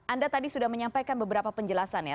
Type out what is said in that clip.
anda tadi sudah menyampaikan beberapa penjelasan ya